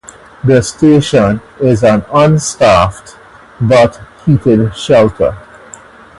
The station is an unstaffed but heated shelter.